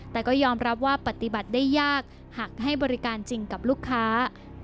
แต่ก็ยอมรับว่าปฏิบัติได้ยากหากให้บริการจริงกับลูกค้า